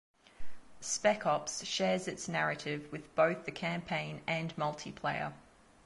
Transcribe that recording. Spec Ops shares its narrative with both the campaign and multiplayer.